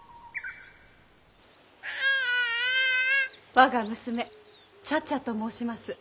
我が娘茶々と申します。